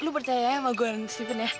lo lo percaya ya sama gue dan steven ya